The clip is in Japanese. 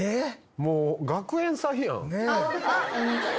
もう学園祭やん。